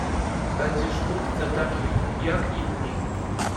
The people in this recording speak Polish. "Będziesz wkrótce takim, jak inni."